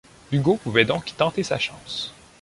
Hugo pouvait donc y tenter sa chance.